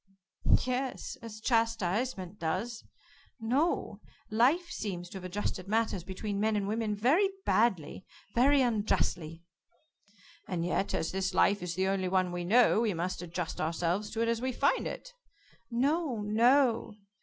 "Yes, as chastisement does. No, Life seems to have adjusted matters between men and women very badly, very unjustly." "And yet, as this life is the only one we know we must adjust ourselves to it as we find it." "No, no.